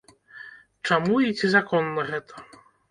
Чаму і ці законна гэта?